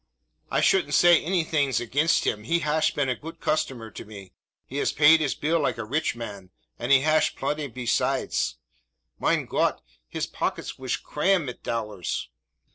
I shouldn't say anythings againsht him. He hash been a goot cushtomer to me. He has paid his bill like a rich man, and he hash plenty peside. Mein Gott! his pockets wash cramm mit tollars!"